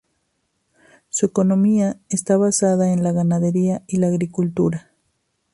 Su economía está basada en la ganadería y la agricultura.